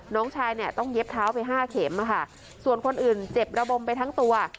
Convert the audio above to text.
น้องชายเนี่ยต้องเย็บเท้าไปห้าเข็มค่ะส่วนคนอื่นเจ็บระบมไปทั้งตัว